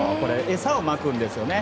餌をまくんですよね。